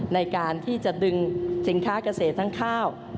ในการที่จะดึงสินค้าเกษตรทั้งข้าว